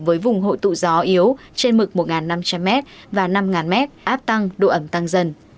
với vùng hội tụ gió yếu trên mực một năm trăm linh m và năm m áp tăng độ ẩm tăng dần